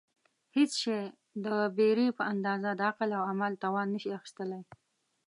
هېڅ شی د بېرې په اندازه د عقل او عمل توان نشي اخیستلای.